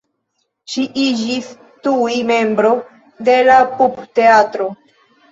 Ŝi iĝis tuj membro de la pupteatro.